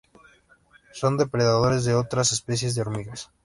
Son depredadores de otras especies de hormigas.